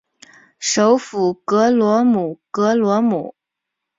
首府戈罗姆戈罗姆。